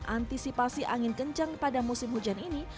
antisipasi angin kencang pada musim hujan ini